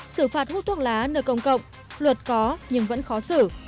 xử phạt hút thuốc lá nơi công cộng luật có nhưng vẫn khó xử